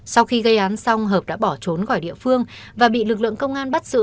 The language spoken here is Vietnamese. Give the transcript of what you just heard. sau khi gây án xong hợp đã bỏ trốn khỏi địa phương và bị lực lượng công an bắt giữ